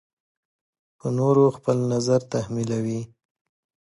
په نورو خپل نظر تحمیلوي.